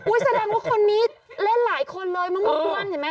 แสดงว่าคนนี้เล่นหลายคนเลยมะม่วงกวนเห็นไหม